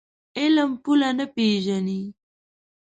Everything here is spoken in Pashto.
علم پوله نه پېژني.